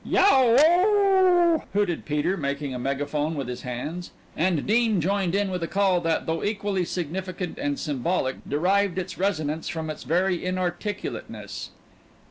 "Ye ow ow!" hooted Peter, making a megaphone with his hands and Dean joined in with a call that, though equally significant and symbolic, derived its resonance from its very inarticulateness.